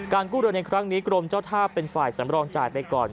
กู้เรือในครั้งนี้กรมเจ้าท่าเป็นฝ่ายสำรองจ่ายไปก่อน